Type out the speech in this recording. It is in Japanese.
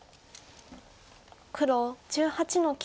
黒１８の九。